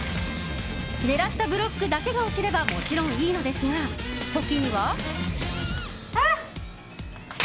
狙ったブロックだけが落ちればもちろんいいのですが、時には。